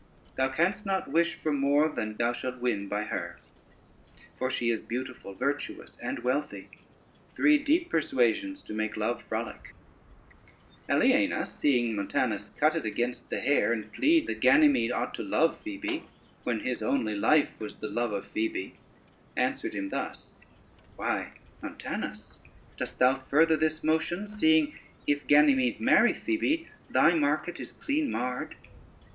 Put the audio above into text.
Thou canst not wish for more than thou shalt win by her; for she is beautiful, virtuous and wealthy, three deep persuasions to make love frolic." [Footnote 1: sentence.] Aliena seeing Montanus cut it against the hair, and plead that Ganymede ought to love Phoebe, when his only life was the love of Phoebe, answered him thus: "Why, Montanus, dost thou further this motion, seeing if Ganymede marry Phoebe thy market is clean marred?"